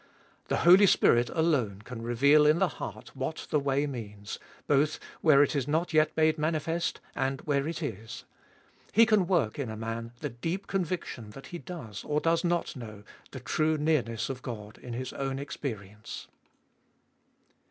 The Holy Spirit alone can reveal in the heart what the way means, both where it is not yet made manifest, and where it is. He can work in a man the deep conviction that he does, or does not know, the true nearness of God in his own experience.